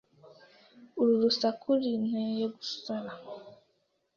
Uru rusaku rinteye gusara.